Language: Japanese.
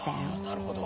なるほど。